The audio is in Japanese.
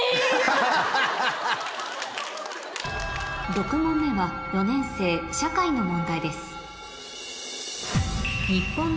６問目は４年生社会の問題です